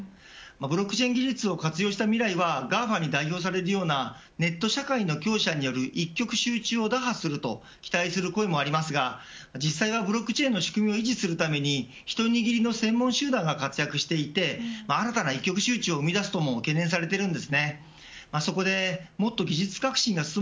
ブロックチェーン技術をＧＡＦＡに代表されるネット社会の強者による一極集中打破すると期待する声もありますがブロックチェーンの仕組みを維持するために一握りの専門集団が活躍していて新たな一極集中を生み出すと懸念されてます。